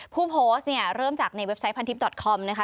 ผู้โพสต์เนี่ยเริ่มจากในเว็บไซต์พันทิพยอดคอมนะคะ